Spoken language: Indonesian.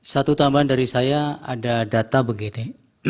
satu tambahan dari saya ada data begini